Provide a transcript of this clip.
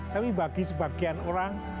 tapi bagi sebagian orang